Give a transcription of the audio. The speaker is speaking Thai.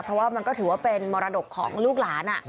เพราะว่ามันก็ถือว่าเป็นมรดกของลูกหลาน